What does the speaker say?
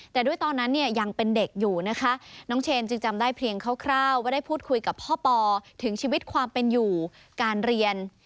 แต่ด้วยตอนนั้นเนี่ยยังเป็นเด็กอยู่นะคะน้องเชนจึงจำได้เพียงคร่าวว่าได้พูดคุยกับพ่อปอถึงชีวิตความเป็นอยู่การเรียน